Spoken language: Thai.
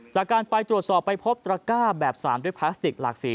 จากการไปตรวจสอบไปพบตระก้าแบบ๓ด้วยพลาสติกหลากสี